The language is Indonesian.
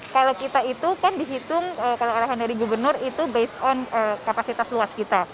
kalau kita itu kan dihitung kalau arahan dari gubernur itu based on kapasitas luas kita